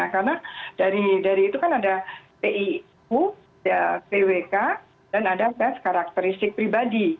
karena dari itu kan ada piu ya pwk dan ada tes karakteristik pribadi